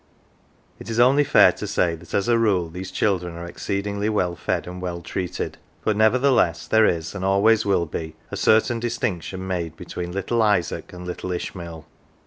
It is only fair to say that as a rule these children are exceedingly well fed and well treated ; but nevertheless there is, and always will be, a certain distinction made between little Isaac and little Ishmael.